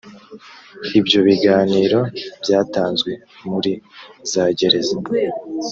ibyo biganiro byatanzwe muri za gereza .